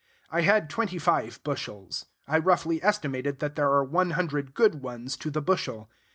I had twenty five bushels. I roughly estimated that there are one hundred good ones to the bushel.